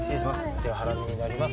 こちらハラミになります